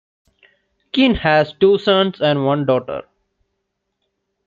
Keen has two sons and one daughter.